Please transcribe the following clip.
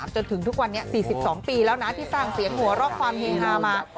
จนถึงทุกวันนี้๔๒ปีแล้วนะที่สร้างเสียงหัวเราะความเฮฮามา